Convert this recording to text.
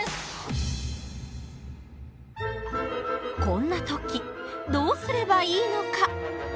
こんな時どうすればいいのか？